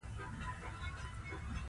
دلته راتللی شې؟